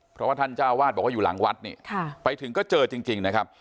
เพราะว่าท่านเจ้าวาดบอกว่าอยู่หลังวัดนี่ไปถึงก็เจอจริงนะครับ